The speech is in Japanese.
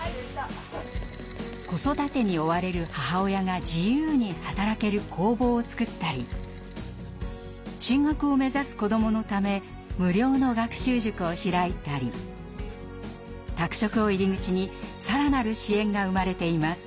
子育てに追われる母親が自由に働ける工房を作ったり進学を目指す子どものため無料の学習塾を開いたり宅食を入り口に更なる支援が生まれています。